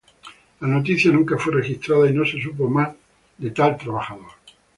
La noticia nunca fue registrada y no se supo más de tal trabajador.